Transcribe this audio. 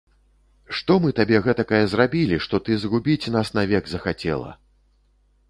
Што мы табе гэтакае зрабілі, што ты згубіць нас навек захацела!